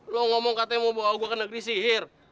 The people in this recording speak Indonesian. lo ngomong katanya mau bawa gue ke negeri sihir